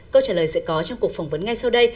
câu trả lời sẽ có trong cuộc phỏng vấn ngay sau đây